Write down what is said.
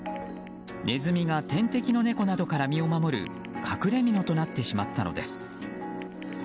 ネズミが天敵の猫などから身を守る隠れみのとなってしまったのです。